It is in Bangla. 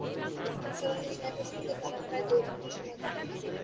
নিসার আলি সাহেবের সঙ্গে তারা প্রায় দুই ঘন্টা সময় কাটাল।